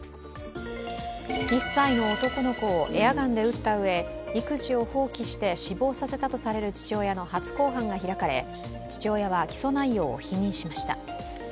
１歳の男の子をエアガンで撃ったうえ育児を放棄して死亡させたとされる父親の初公判が開かれ、父親は起訴内容を否認しました。